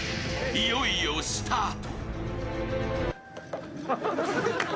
いよいよスタート。